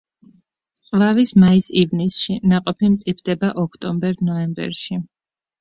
ყვავის მაის-ივნისში, ნაყოფი მწიფდება ოქტომბერ-ნოემბერში.